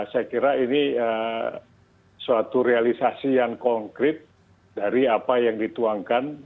saya kira ini suatu realisasi yang konkret dari apa yang dituangkan